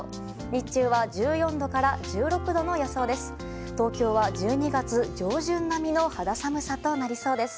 日中は１４度から１６度の予想です。